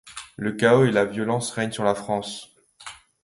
Le chaos et la violence règnent sur la France.